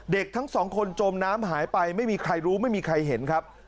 ทั้งสองคนจมน้ำหายไปไม่มีใครรู้ไม่มีใครเห็นครับ